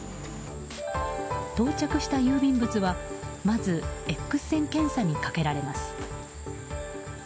到着した郵便物はまずＸ線検査にかけられます。